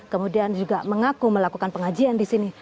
kemudian juga mengaku melakukan pengajian di sini